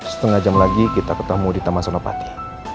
setengah jam lagi kita ketemu di tama solopati